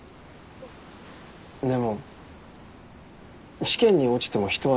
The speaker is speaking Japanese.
でも試験に落ちても人は死なない。